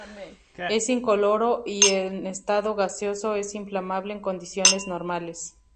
Es incoloro, y en estado gaseoso es inflamable en condiciones normales.